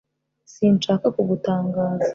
sinashakaga kugutangaza